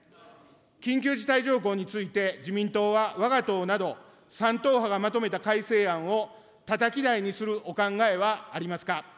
緊急事態条項について自民党はわが党など、３党派がまとめた改正案をたたき台にするお考えはありますか。